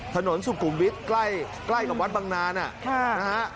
ถนนสุขุมวิทย์ใกล้กับวัดบังนานนะฮะ